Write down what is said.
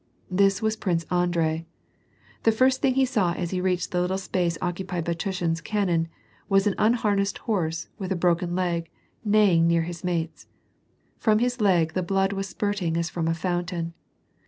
This was Prince Andrei. The first thing he saw as he reached the little space occupied by Tushin's cannon, was an unharnessed horse, with a broken leg, neighing near his mates. From his leg the blood was spurting as from a fountain.